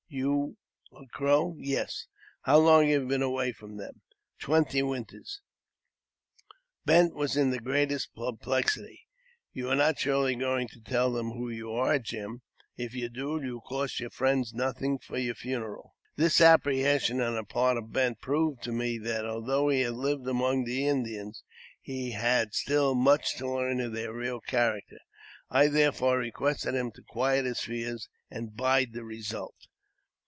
"You a Crow?" "Yes." " How long have you been away from them ?" "Twenty winters ." Bent was in the greatest perplexity. " You are not surely going to tell them who you are, Jim ? If you do, you'll cost your friends nothing for your funeral." This apprehension on the part of Bent proved to me that, although he had lived among the Indians, he had still much to learn of their real character. I therefore requested him to quiet his fears and bide the result.